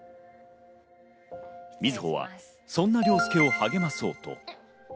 瑞穂はそんな凌介を励まそうと。